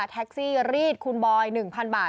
แท็กซี่รีดคุณบอย๑๐๐๐บาท